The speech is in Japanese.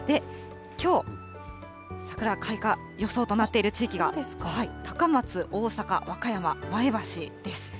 きょう、桜開花予想となっている地域が高松、大阪、和歌山、前橋です。